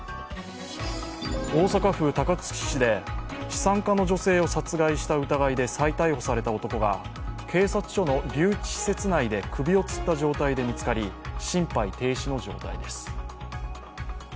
大阪府高槻市で資産家の女性を殺害した疑いで再逮捕された男が警察署の留置施設内で首をつった状態で見つかり心肺停止の状態です。